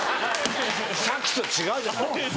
さっきと違うじゃない。